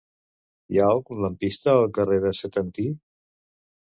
Hi ha algun lampista al carrer de Setantí?